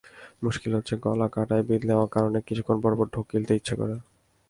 মুশকিল হচ্ছে গলায় কাঁটা বিধলেই অকারণে কিছুক্ষণ পরপর ঢোক গিলতে ইচ্ছা করে।